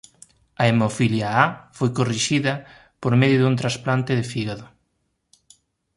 A hemofilia A foi corrixida por medio dun transplante de fígado.